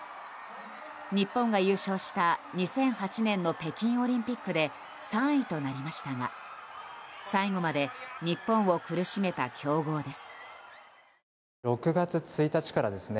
日本が優勝した２００８年の北京オリンピックで３位となりましたが、最後まで日本を苦しめた強豪です。